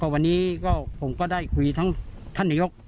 วันนี้ผมก็ได้คุยทั้งท่านนายก